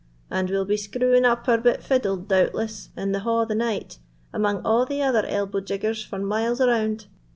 and we'll be screwing up our bit fiddle, doubtless, in the ha' the night, amang a' the other elbo' jiggers for miles round.